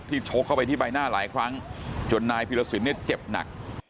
ชกเข้าไปที่ใบหน้าหลายครั้งจนนายพิรสินเนี่ยเจ็บหนัก